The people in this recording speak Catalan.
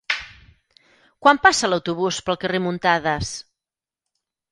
Quan passa l'autobús pel carrer Muntadas?